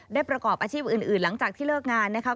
ประกอบอาชีพอื่นหลังจากที่เลิกงานนะคะ